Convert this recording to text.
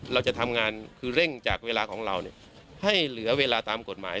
เราจะทำงานคือเร่งจากเวลาของเราให้เหลือเวลาตามกฎหมาย